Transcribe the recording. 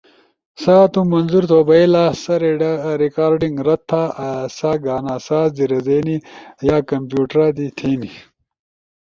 سا تُو منظور تو بئیلا۔ سا ریکارڈنگ رد تھا ایسا گانا ساز دی رزینی یا کمپیوٹرا دی تھے نی۔